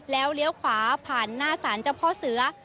แล้วเลี้ยวขวาผ่านหน้าศาลเจ้าพ่อเสือ